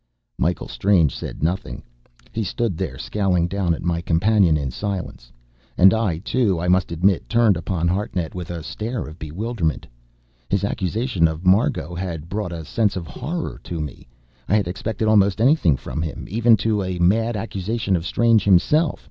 Michael Strange said nothing. He stood there, scowling down at my companion in silence. And I, too, I must admit, turned upon Hartnett with a stare of bewilderment. His accusation of Margot had brought a sense of horror to me. I had expected almost anything from him, even to a mad accusation of Strange himself.